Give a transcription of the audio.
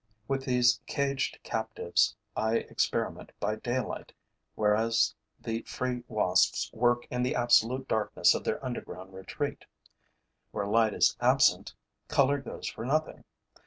With these caged captives I experiment by daylight, whereas the free wasps work in the absolute darkness of their underground retreat. Where light is absent, color goes for nothing.